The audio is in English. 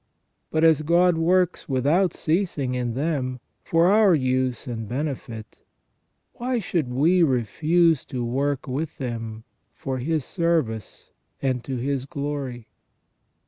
But as God works without ceasing in them, for our use and benefit, why should we refuse to work with them for His service, and to His glory